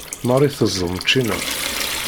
Marie teẓẓem ccina.